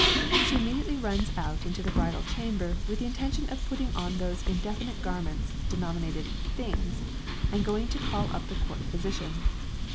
She immediately runs out into the bridal chamber, with the intention of putting on those indefinite garments denominated "things," and going to call up the court physician.